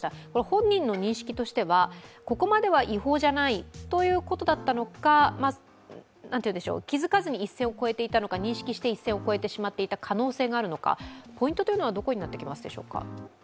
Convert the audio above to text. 本人の認識としてはここまでは違法じゃないということだったのか気づかずに一線を越えていたのか、認識をして一線を越えてしまっていた可能性があるのかポイントはどこになってきますでしょうか。